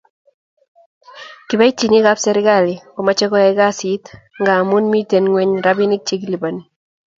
Kibaitinik ab serkali komamche koyai kasit ngamun miten ngwen rapinik che kelipani